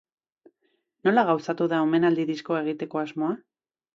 Nola gauzatu da omenaldi diskoa egiteko asmoa?